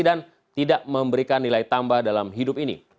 dan tidak memberikan nilai tambah dalam hidup ini